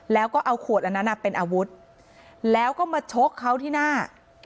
แล้วก็เอาขวดอันนั้นเป็นอาวุธแล้วก็มาชกเขาที่หน้า